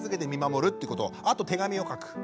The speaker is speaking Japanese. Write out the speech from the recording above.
あと手紙を書く。